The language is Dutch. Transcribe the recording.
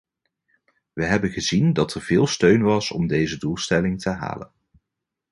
We hebben gezien dat er veel steun was om deze doelstelling te halen.